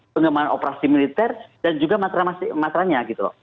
pengembangan operasi militer dan juga matranya gitu loh